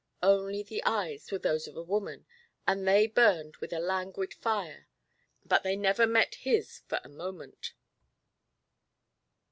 Only the eyes were those of a woman, and they burned with a languid fire; but they never met his for a moment.